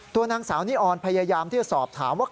นางสาวนิออนพยายามที่จะสอบถามว่า